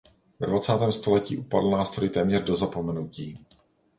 Ve dvacátém století upadl nástroj téměř do zapomenutí.